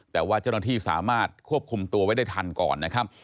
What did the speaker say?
แต่ว่าเจ้าหน้าที่สามารถควบคุมตัวไว้ได้ทันก่อนนะครับ